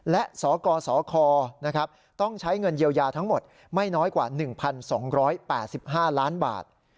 และสกสคต้องใช้เงินเยียวยาทั้งหมดไม่น้อยกว่า๑๒๘๕ล้านบาท